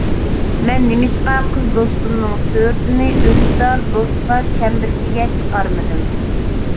مەن نېمىشقا قىز دوستۇمنىڭ سۈرىتىنى ئۈندىدار دوستلار چەمبىرىكىگە چىقارمىدىم؟